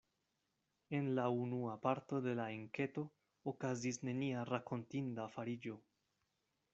En la unua parto de la enketo okazis nenia rakontinda fariĝo.